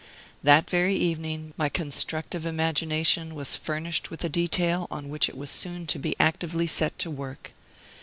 That very evening my constructive imagination was furnished with a detail on which it was soon to be actively set to work.